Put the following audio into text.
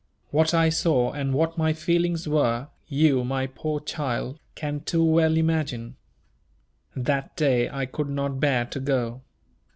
What I saw and what my feelings were, you, my poor child, can too well imagine. That day I could not bear to go.